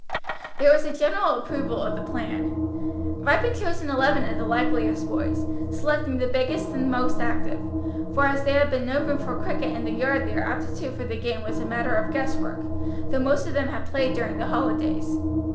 There was a general approval of the plan. Ripon chose an eleven of the likeliest boys, selecting the biggest and most active; for as there had been no room for cricket in the yard their aptitude for the game was a matter of guesswork, though most of them had played during the holidays.